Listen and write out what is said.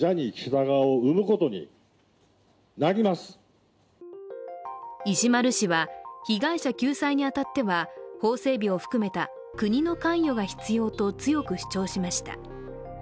しかし石丸氏は、被害者救済に当たっては法整備を含めた国の関与が必要と強く主張しました。